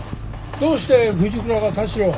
どうして藤倉が田代を？